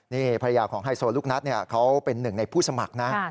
นี่ภรรยาของไฮโซลูกนัทเขาเป็นหนึ่งในผู้สมัครนะ